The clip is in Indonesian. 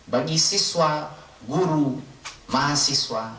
bagi siswa guru mahasiswa